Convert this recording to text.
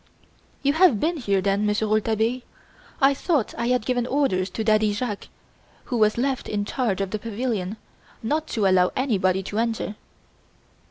"You have been here, then, Monsieur Rouletabille? I thought I had given orders to Daddy Jacques, who was left in charge of the pavilion, not to allow anybody to enter."